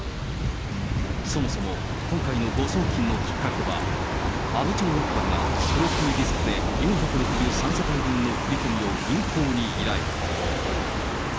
そもそも今回の誤送金のきっかけは、阿武町役場がフロッピーディスクで４６３世帯分の振り込みを銀行に依頼。